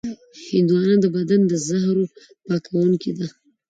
هندوانه د بدن د زهرو پاکوونکې ده.